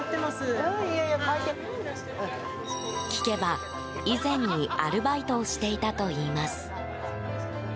聞けば、以前にアルバイトをしていたといいます。